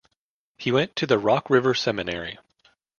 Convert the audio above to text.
He went to the Rock River Seminary.